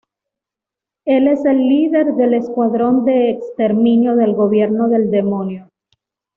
Él es el líder del escuadrón de exterminio del gobierno del demonio.